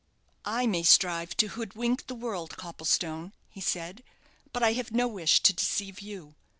"I may strive to hoodwink the world, Copplestone," he said, "but I have no wish to deceive you.